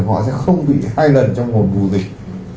họ sẽ không bị hai lần trong vụ dịch